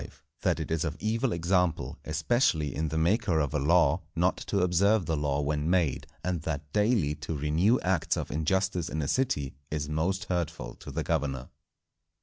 —_That it is of evil example, especially in the Maker of a Law, not to observe the Law when made: and that daily to renew acts of injustice in a City is most hurtful to the Governor.